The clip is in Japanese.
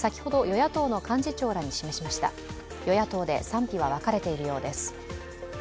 与野党で賛否は分かれているようです。